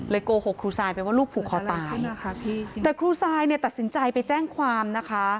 โกหกครูซายไปว่าลูกผูกคอตายแต่ครูซายเนี่ยตัดสินใจไปแจ้งความนะคะ